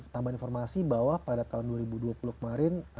tambahan informasi bahwa pada tahun dua ribu dua puluh kemarin